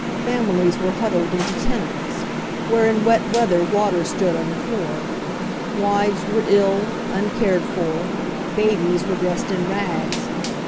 Families were huddled into tenements, where in wet weather water stood 150 HENRY FORD'S OWN STORY on the floor. Wives were ill, uncared for; babies were dressed in rags.